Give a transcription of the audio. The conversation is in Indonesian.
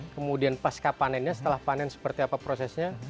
kemudian pasca panennya setelah panen seperti apa prosesnya